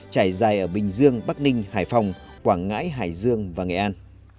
trải dài ở bình dương bắc ninh hải phòng quảng ngãi hải dương và nghệ an